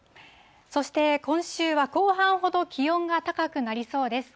そして今週は後半ほど気温が高くなりそうです。